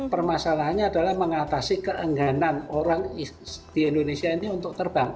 permasalahannya adalah mengatasi keengganan orang di indonesia ini untuk terbang